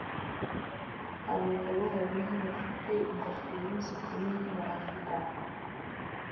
Abagabo babiri bafite ingofero zikomeye baravuga